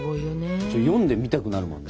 読んでみたくなるもんね。